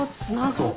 そう。